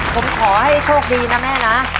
ผมขอให้โชคดีนะแม่นะ